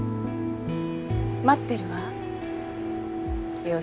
待ってるわ陽佑。